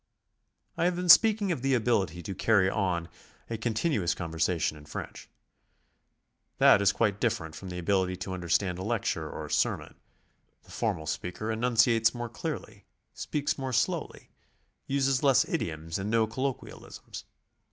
I have been speaking of the ability to carry on a continu ous conversation in French. That is quite different from the ability to understand a lecture or sermon; the formal speaker enunciates more clearly, speaks more slowly, uses less idioms and no colloquialisms.